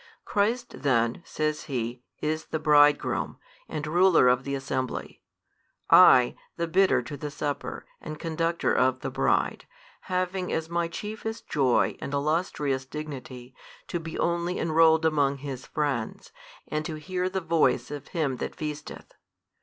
Christ then, says he, is the Bridegroom and ruler of the assembly, I the bidder to the supper and conducter of the bride, having as my chiefest joy and illustrious dignity, to be only enrolled among His friends, and to hear the Voice of Him That feasteth.